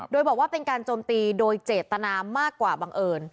โดยบอกว่าเป็นการโจมตีโดยเจตนามากกว่าบังเอิญ